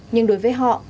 nhưng đối với họ